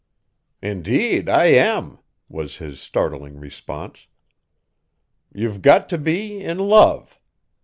"Indeed I am," was his startling response. "You've got to be, in love.